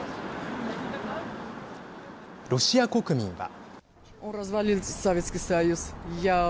ロシア国民は。